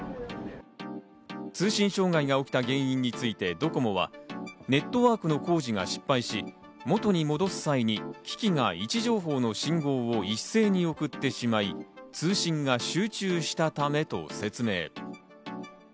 通信障害が起きた原因についてドコモは、ネットワークの工事が失敗し元に戻す際に機器が位置情報の信号を一斉に送ってしまい、通信が集中したためと説明。